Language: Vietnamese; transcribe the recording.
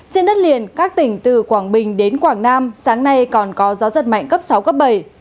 trên đất liền các tỉnh từ quảng bình đến quảng nam sáng nay còn có gió giật mạnh cấp sáu cấp bảy